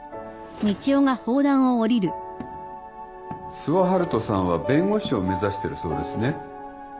諏訪遙人さんは弁護士を目指してるそうですね。